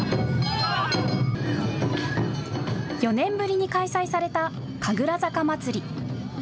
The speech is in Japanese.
４年ぶりに開催された神楽坂まつり。